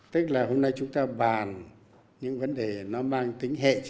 tức là hôm nay chúng ta bàn những vấn đề nó mang tính hệ chậm như thế